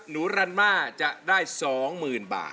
หนูรันมาจะได้สองหมื่นบาท